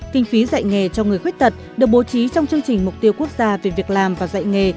kinh phí dạy nghề cho người khuyết tật được bố trí trong chương trình mục tiêu quốc gia về việc làm và dạy nghề